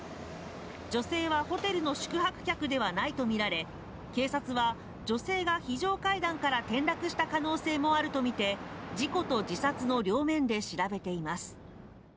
女性はホテルの宿泊客ではないとみられ、警察は、女性が非常階段から転落した可能性もあるとみて、事故と自殺の両面で調べています。